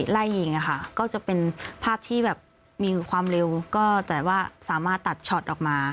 ไล่ยิงอะค่ะก็จะเป็นภาพที่แบบมีความเร็วก็แต่ว่าสามารถตัดช็อตออกมา